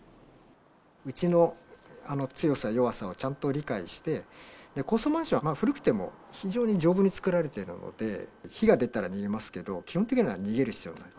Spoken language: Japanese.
うちの強さ、弱さをちゃんと理解して、高層マンションは古くても非常に丈夫に造られていますので、火が出たら逃げますけど、基本的には逃げる必要はなく。